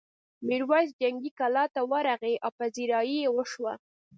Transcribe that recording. میرويس جنګي کلا ته ورغی او پذيرايي یې وشوه.